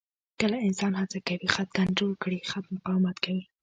کله انسان هڅه کوي خط کنټرول کړي، خط مقاومت کوي.